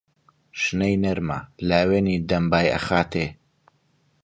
شنەی نەرمە لاوێنی دەم بای ئەخاتێ.